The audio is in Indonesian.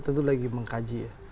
tentu lagi mengkaji